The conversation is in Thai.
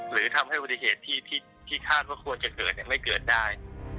หรือทำให้อุบัติเหตุที่คาดว่าควรจะเกิดไม่เกิดได้